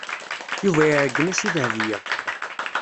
Yuba iɛeggen-as i Dahbiya.